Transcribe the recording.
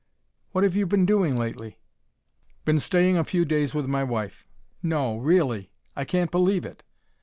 "What have you been doing lately?" "Been staying a few days with my wife." "No, really! I can't believe it."